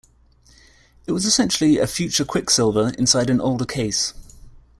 It was essentially a future Quicksilver inside an older case.